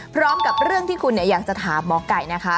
พร้อมกับเรื่องที่คุณอยากจะถามหมอไก่นะคะ